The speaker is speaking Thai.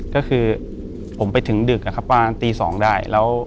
ก็คือผมไปถึงดึกตี๒ได้